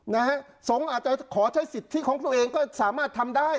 นะฮะสงฆ์อาจจะขอใช้สิทธิของตัวเองก็สามารถทำได้